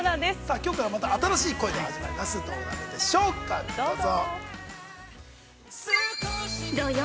◆きょうから、また新しい恋が、始まります、どうなるんでしょうか、どうぞ。